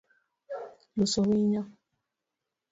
Iuso winyo?